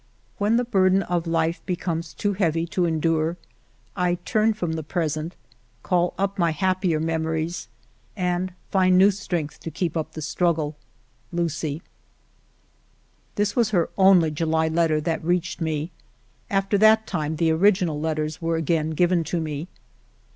When the burden of life becomes too heavy to endure, I turn from the present, call up my happier memories, and find new strength to keep up the struggle. ... UCIE. This was her only July letter that reached me; after that time the original letters were again given to me.